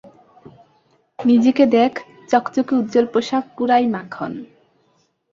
নিজেকে দেখ চকচকে উজ্জল পোষাক পুরাই মাখন!